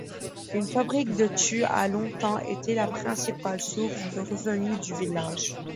Une fabrique de tuiles a longtemps été la principale source de revenus du village.